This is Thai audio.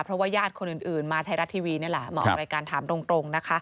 เพราะว่าญาติคนอื่นมาไทยรัฐทีวีนี่แหละมาออกรายการถามตรงนะคะ